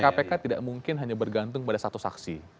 kpk tidak mungkin hanya bergantung pada satu saksi